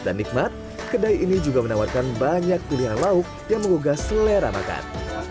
dan nikmat kedai ini juga menawarkan banyak pilihan lauk yang menggugah selera makan